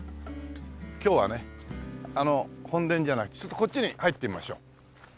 今日はねあの本殿じゃなくてちょっとこっちに入ってみましょう。